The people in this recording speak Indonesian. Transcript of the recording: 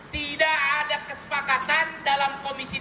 tidak ada kesepakatan dalam komisi tiga